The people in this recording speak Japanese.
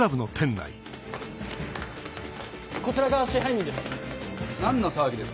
・こちらが支配人です。